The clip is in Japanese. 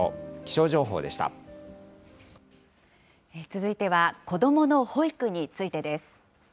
続いては、子どもの保育についてです。